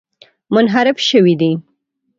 منحرف شوي دي.